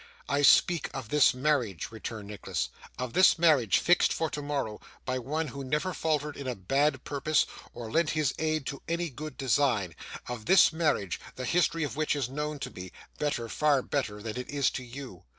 'I speak of this marriage,' returned Nicholas, 'of this marriage, fixed for tomorrow, by one who never faltered in a bad purpose, or lent his aid to any good design; of this marriage, the history of which is known to me, better, far better, than it is to you.